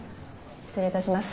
失礼いたします。